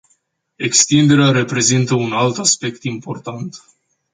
Extinderea reprezintă un alt aspect important.